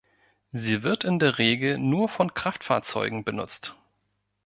Sie wird in der Regel nur von Kraftfahrzeugen benutzt.